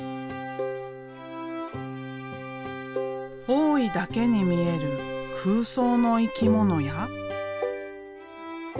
大井だけに見える空想の生き物や。